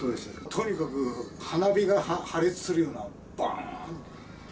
とにかく花火が破裂するような、ばーんと。